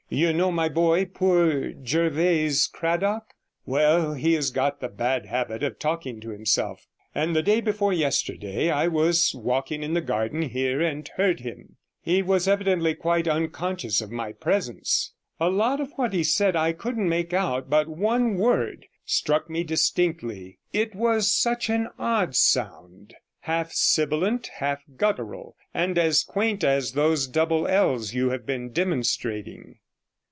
You know my boy, poor Jervase Cradock? Well, he has got the bad habit of talking to himself, and the day before yesterday I was walking in the garden here and heard him; he was evidently quite unconscious of my presence. A lot of what he said I couldn't make out, but one word struck me distinctly. It was such an odd sound, half sibilant, half guttural, and as quaint as those double /s you have been demonstrating.